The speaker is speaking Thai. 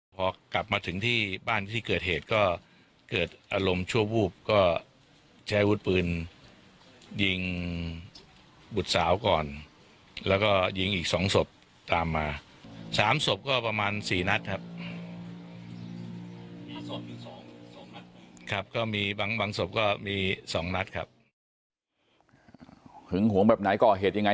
หึงหวงแบบไหนก็อเหตุยังไง